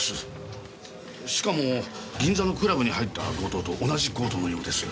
しかも銀座のクラブに入った強盗と同じ強盗のようです。